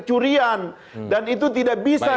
curian dan itu tidak bisa